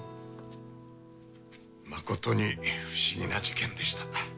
まことに不思議な事件でした。